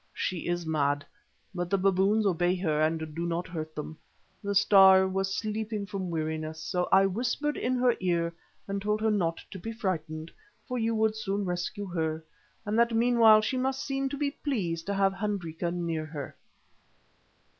She is mad, but the baboons obey her, and do not hurt them. The Star was sleeping from weariness, so I whispered in her ear and told her not to be frightened, for you would soon rescue her, and that meanwhile she must seem to be pleased to have Hendrika near her."